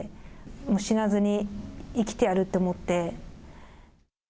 もう死なずに、生きてやるって思って。